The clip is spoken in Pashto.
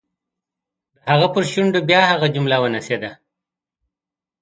د هغه پر شونډو بیا هغه جمله ونڅېده.